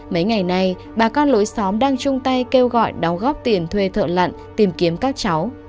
mấy ngày nay bà con lối xóm đang chung tay kêu gọi đóng góp tiền thuê thợ lặn tìm kiếm các cháu